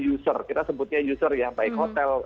user kita sebutnya user ya baik hotel